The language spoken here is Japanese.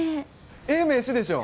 ええ名刺でしょ？